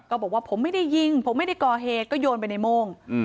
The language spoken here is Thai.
บอกว่าผมไม่ได้ยิงผมไม่ได้ก่อเหตุก็โยนไปในโม่ง